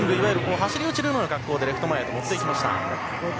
走り打ちのような格好でレフト前に持ってきました。